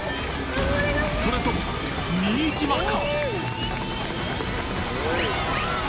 それとも新島か？